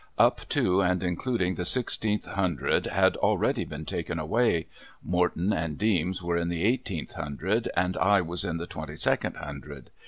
Up to and including the sixteenth hundred had already been taken away. Morton and Deems were in the eighteenth hundred, and I was in the twenty second hundred.